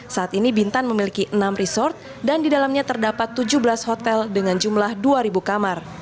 saat ini bintan memiliki enam resort dan di dalamnya terdapat tujuh belas hotel dengan jumlah dua kamar